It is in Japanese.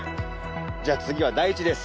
じゃあ次は大馳です。